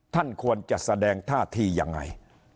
ท่านควรจะแสดงท่าทียังไง